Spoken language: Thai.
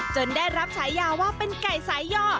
ได้รับฉายาว่าเป็นไก่สายย่อ